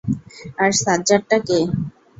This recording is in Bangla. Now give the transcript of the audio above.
আর সাজ্জাদটা কে?